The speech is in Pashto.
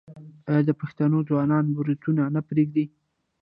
آیا د پښتنو ځوانان بروتونه نه پریږدي؟